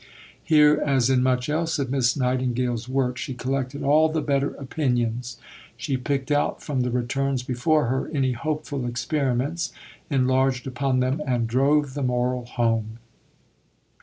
Here, as in much else of Miss Nightingale's work, she collected all the better opinions; she picked out from the returns before her any hopeful experiments; enlarged upon them, and drove the moral home.